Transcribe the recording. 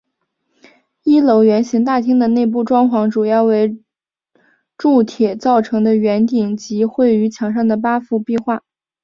一楼圆形大厅的内部装潢主要为铸铁造成的圆顶及绘于墙上的八幅壁画。